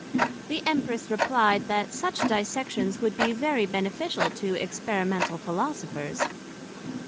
The Empress replied, That such dissections would be very beneficial to Experimental Philosophers.